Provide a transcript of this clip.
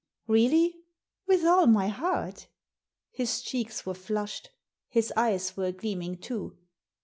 "Really?" "With all my heart" His cheeks were flushed. His eyes were gleam ing too.